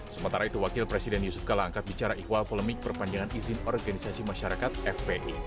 sementara itu wakil presiden yusuf kala angkat bicara ikhwal polemik perpanjangan izin organisasi masyarakat fpi